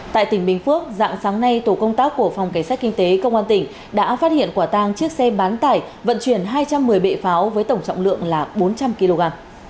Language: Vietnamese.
tại tỉnh bình phước dạng sáng nay tổ công tác của phòng cảnh sát kinh tế công an tỉnh đã phát hiện quả tang chiếc xe bán tải vận chuyển hai trăm một mươi bệ pháo với tổng trọng lượng là bốn trăm linh kg